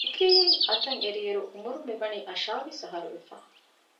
ޑިގްރީއެއް އަތަށްއެރި އިރު އުމުރުން މިވަނީ އަށާވީސް އަހަރު ވެފަ